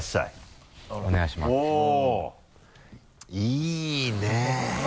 いいねぇ。